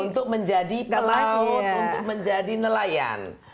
untuk menjadi pelaut untuk menjadi nelayan